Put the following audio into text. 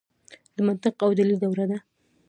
د منطق او دلیل دوره ده.